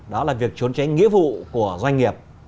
đó là việc trốn tránh nghĩa vụ của doanh nghiệp